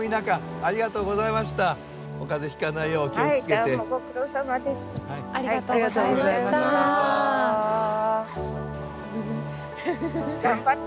ありがとうございました。頑張って。